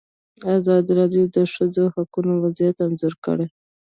ازادي راډیو د د ښځو حقونه وضعیت انځور کړی.